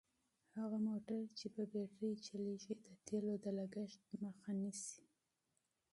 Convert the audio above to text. هغه موټر چې په بېټرۍ چلیږي د تېلو د لګښت مخه نیسي.